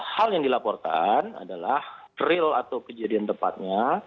hal yang dilaporkan adalah real atau kejadian tepatnya